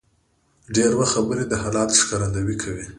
ډېر وخت خبرې د حالاتو ښکارندویي کوي.